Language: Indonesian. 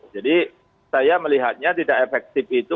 jadi saya melihatnya tidak efektif itu